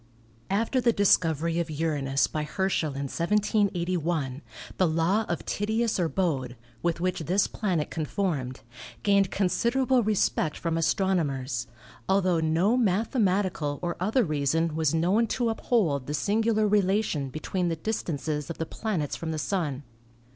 After the discovery of Uranus by Herschel in 1781 the law of Titius or Bode, with which this planet conformed, gained considerable respect from astronomers, altho no mathematical or other reason was known to uphold the singular relation between the distances of the planets from the Sun.